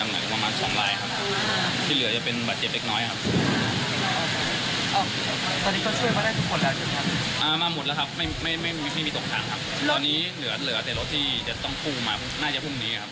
ไม่มีตกถามครับตอนนี้เหลือแต่รถที่จะต้องฟูมาน่าจะพรุ่งนี้ครับ